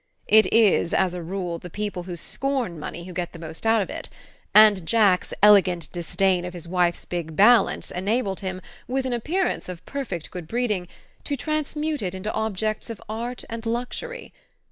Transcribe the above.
It is, as a rule, the people who scorn money who get most out of it; and Jack's elegant disdain of his wife's big balance enabled him, with an appearance of perfect good breeding, to transmute it into objects of art and luxury.